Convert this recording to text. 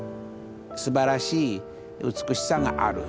すばらしい美しさがある。